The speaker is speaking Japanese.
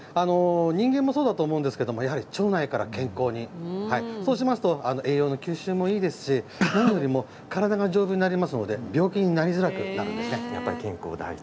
人間もそうだと思うんですけれども腸内から健康にそうしますと栄養の吸収もいいですし、何よりも体が丈夫になりますので病気になりづらくなるんですね。